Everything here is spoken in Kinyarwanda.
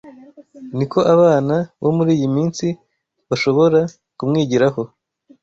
niko abana bo muri iyi minsi bashobora kumwigiraho